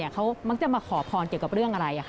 เขามักจะมาขอพรเกี่ยวกับเรื่องอะไร